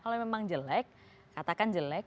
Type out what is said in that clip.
kalau memang jelek katakan jelek